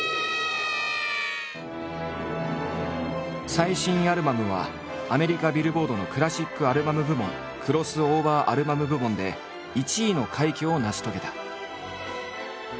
最新アルバムはアメリカビルボードのクラシックアルバム部門クロスオーバーアルバム部門で１位の快挙を成し遂げた。